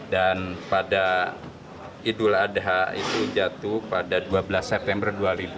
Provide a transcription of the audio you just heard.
dan pada idul adha itu jatuh pada dua belas september dua ribu enam belas